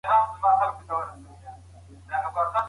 په کور کي د زده کړي لپاره ډېرې پیسې نه مصرفېږي.